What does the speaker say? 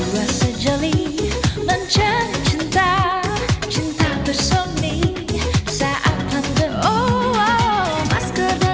terima kasih atas perhatian saya